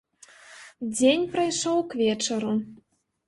Дзень прайшоў к вечару.